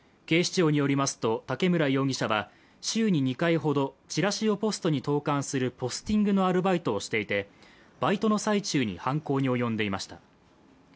警視庁によりますと、竹村容疑者は週２回ほどチラシをポストに投函するポスティングのアルバイトをしていて、バイトの最中に犯行に及んでいました。